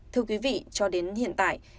thưa quý vị cho đến hiện tại